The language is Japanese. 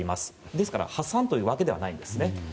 ですから、破産というわけではないんですね。